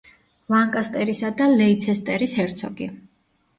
ლანკასტერისა და ლეიცესტერის ჰერცოგი.